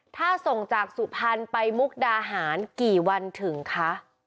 ถ้าส่งจากสุพรรณไปมุกดาหารกี่วันถึงคะ